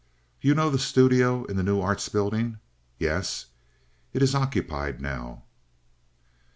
"You know the studio in the New Arts Building?" "Yes." "It is occupied now."